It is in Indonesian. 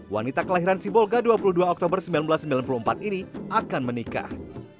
wanita kelahiran sibolga dua puluh dua oktober seribu sembilan ratus sembilan puluh empat ini akan menikah